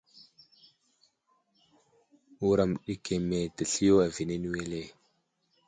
Wuram ɗi keme təsliyo aviyene wele.